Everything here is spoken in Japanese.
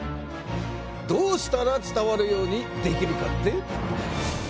どうしたら伝わるようにできるかって？